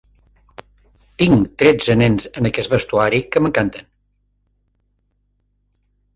Tinc tretze nens en aquest vestuari, que m'encanten.